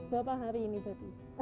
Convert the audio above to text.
berapa hari ini bapak